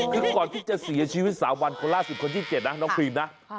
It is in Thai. คือก่อนที่จะเสียชีวิต๓วันคนล่าสุดคนที่๗นะน้องพรีมนะ